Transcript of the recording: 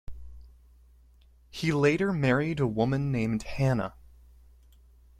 He later married a woman named Hanna.